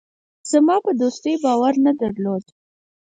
زما په دوستۍ باور نه درلود.